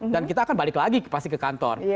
dan kita akan balik lagi pasti ke kantor